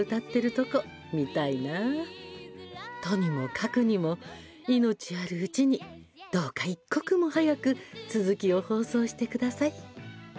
とにもかくにも命あるうちにどうか一刻も早く続きを放送してください」。